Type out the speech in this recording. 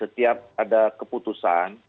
setiap ada keputusan